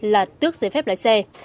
là tước giề phép lái xe